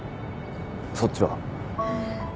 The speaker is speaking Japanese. そっちは？